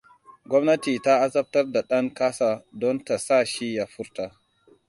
Gwamnati ta azabtar da ɗan ƙasa don ta sa shi ya furta.